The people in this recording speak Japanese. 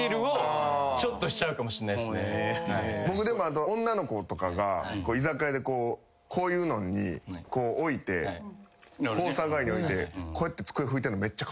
僕でもあと女の子とかが居酒屋でこういうのに置いてコースター代わりに置いてこうやって机拭いてんのめっちゃカワイイな。